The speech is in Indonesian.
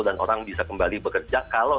dan orang bisa kembali bekerja kalau